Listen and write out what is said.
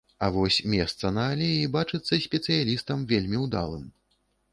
А вось месца на алеі бачыцца спецыялістам вельмі ўдалым.